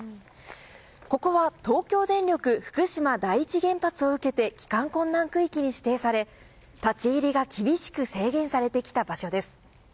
ここは東京電力福島第一原発を受けて帰還困難区域に指定され立ち入りが厳しく制限されてきた場所です。